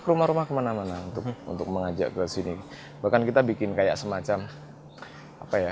ke rumah rumah kemana mana untuk untuk mengajak ke sini bahkan kita bikin kayak semacam apa ya